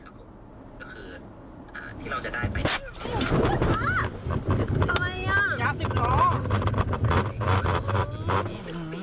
ต้องเปลี่ยนได้แล้วใช่ไหมครับครับก็คืออ่าที่เราจะได้ไป